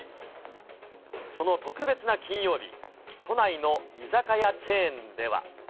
その特別な金曜日、都内の居酒屋チェーンでは。